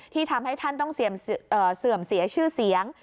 ที่ทำให้ท่านต้องเสื่อมเสียชื่อเสียง